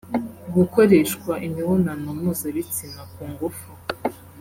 gukoreshwa imibonano mpuzabitsina ku ngufu